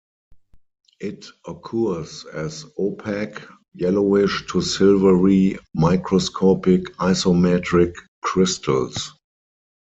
It occurs as opaque, yellowish to silvery microscopic isometric crystals.